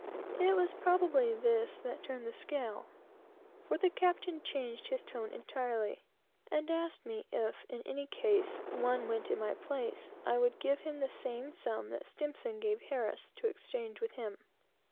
It was probably this that turned the matter; for the captain changed his tone entirely, and asked me if, in case any one went in my place, I would give him the same sum that S gave Harris to exchange with him.